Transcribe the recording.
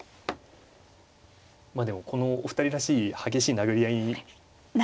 まあでもこのお二人らしい激しい殴り合いに。